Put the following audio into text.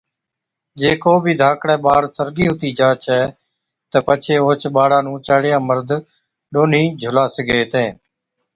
جي ڪو بِي ڌاڪڙَي ٻاڙ سرگِي ھُتي جا ڇَي تہ پڇي اوھچ ٻاڙا نُون چاڙِيا مرد ڏونهِين جھُلا سِگھي هِتين